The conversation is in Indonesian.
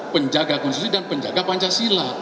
penjaga konstitusi dan penjaga pancasila